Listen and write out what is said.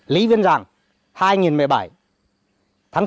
lý văn giàng hai nghìn một mươi bảy tháng bốn